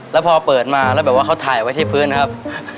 แล้วพอเปิดมาแล้วแบบว่าเขาถ่ายไว้ที่พื้นนะครับ